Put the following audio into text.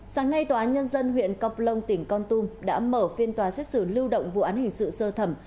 sáng nay tòa án nhân dân huyện croplông tỉnh con tum đã mở phiên tòa xét xử lưu động vụ án hình sự sơ thẩm